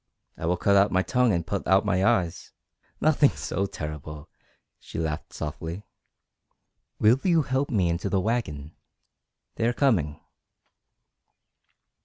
"I will cut out my tongue and put out my eyes " "Nothing so terrible," she laughed softly. "Will you help me into the wagon? They are coming."